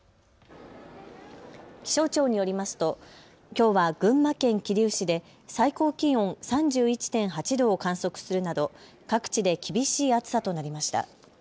気象庁によりますときょうは群馬県桐生市で最高気温３１．８度を観測するなど各地で厳しい暑さとなりました。